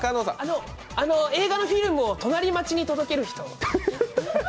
映画のフィルムを隣町に届ける人。